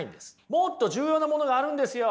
もっと重要なものがあるんですよ。